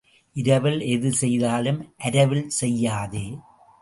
இரவில் எதுசெய்தாலும் அரவில் செய்யாதே.